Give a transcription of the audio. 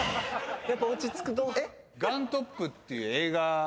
やっぱ落ち着くと。